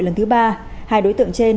lần thứ ba hai đối tượng trên